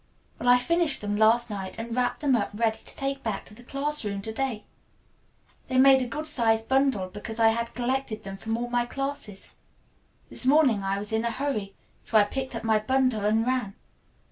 "Well, I finished them last night and wrapped them up ready to take back to the classroom to day. They made a good sized bundle, because I had collected them from all my classes. This morning I was in a hurry, so I picked up my bundle and ran.